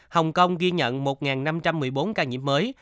hồng kông ghi nhận một năm trăm một mươi bốn ca nhiễm mới